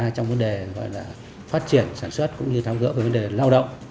chúng ta trong vấn đề gọi là phát triển sản xuất cũng như thao gỡ về vấn đề lao động